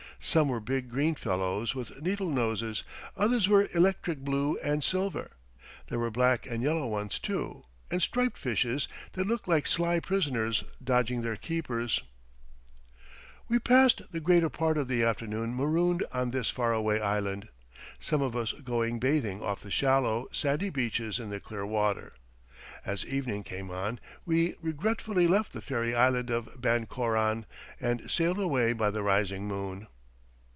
Some were big green fellows, with needle noses; others were electric blue and silver; there were black and yellow ones, too, and striped fishes that looked like sly prisoners dodging their keepers. [Illustration: ONE DAY'S CATCH OF FISH.] We passed the greater part of the afternoon marooned on this far away island, some of us going bathing off the shallow, sandy beaches in the clear water. As evening came on we regretfully left the fairy island of Bancoran, and sailed away by the rising moon.